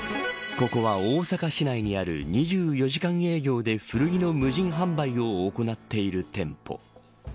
ここは大阪市内にある２４時間営業で古着の無人販売を行っている店舗。